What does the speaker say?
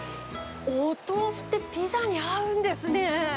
お豆腐ってピザに合うんですね。